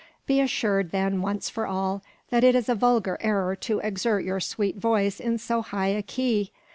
Be assured, then, once for all, that it is a vulgar error to exert your sweet voice in so high a key.